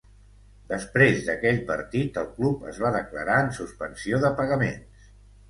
Després d'aquell partit el club es va declarar en suspensió de pagaments.